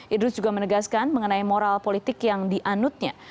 idrus juga menegaskan mengenai moral politik yang dianutnya